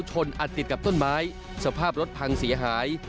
อัดติดกับต้นไม้สภาพรถพังเสียหาย